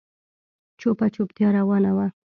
چوپه چوپتيا روانه وه.